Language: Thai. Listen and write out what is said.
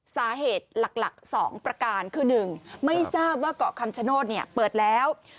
สาเหตุหลัก๒ประการคือ๑ไม่ทราบว่าเกาะคำชโนธเปิดแล้ว